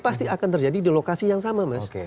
pasti akan terjadi di lokasi yang sama mas